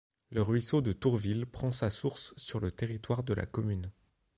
Le ruisseau de Tourville prend sa source sur le territoire de la commune.